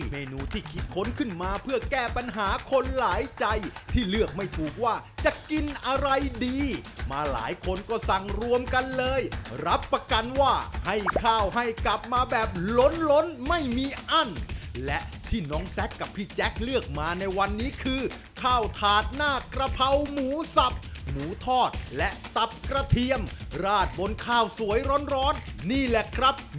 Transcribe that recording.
เมนูที่คิดค้นขึ้นมาเพื่อแก้ปัญหาคนหลายใจที่เลือกไม่ถูกว่าจะกินอะไรดีมาหลายคนก็สั่งรวมกันเลยรับประกันว่าให้ข้าวให้กลับมาแบบล้นล้นไม่มีอั้นและที่น้องแซคกับพี่แจ๊คเลือกมาในวันนี้คือข้าวถาดหน้ากระเพราหมูสับหมูทอดและตับกระเทียมราดบนข้าวสวยร้อนนี่แหละครับ